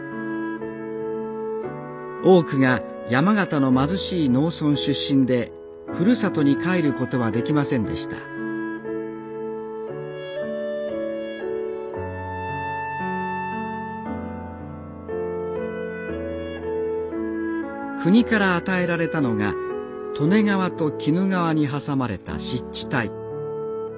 多くが山形の貧しい農村出身でふるさとに帰る事はできませんでした国から与えられたのが利根川と鬼怒川に挟まれた湿地帯。